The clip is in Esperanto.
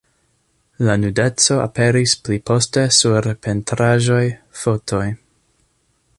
La nudeco aperis pli poste sur pentraĵoj, fotoj.